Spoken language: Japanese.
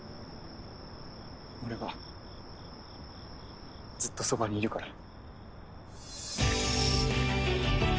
俺はずっとそばにいるから。